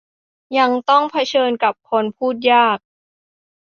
ยังต้องเผชิญกับคนพูดยาก